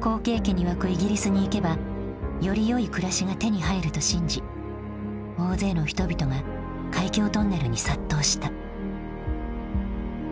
好景気に沸くイギリスに行けばよりよい暮らしが手に入ると信じ大勢の人々が海峡トンネルに殺到した。